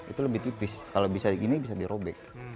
itu lebih tipis kalau bisa ini bisa dirobek